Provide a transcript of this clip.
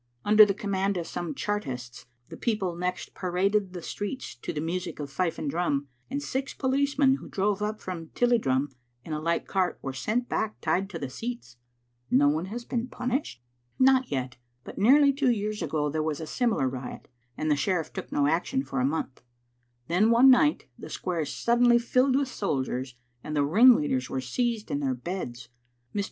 Under the command of some Chartists, the people next paraded the streets to the music of fife and drum, and six policemen who drove up from Tilliedrum in a light cart were sent back tied to the seats." " No one has been punished?" " Not yet, but nearly two years ago there was a simi Digitized by VjOOQ IC » tCbe xmie ministct. lar riot, and the sheriff took no action for montha Then one night the square suddenly filled with soldiers, and the ringleaders were seized in their beds. Mr.